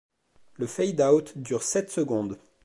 Le fade-out dure sept secondes.